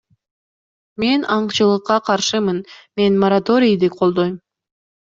Мен аңчылыкка каршымын, мен мораторийди колдойм.